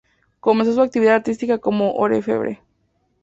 Comenzó su actividad artística como orfebre.